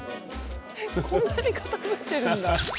こんなに傾いてるんだ。